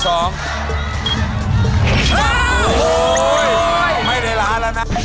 โอ้โหไม่ได้ร้านแล้วนะ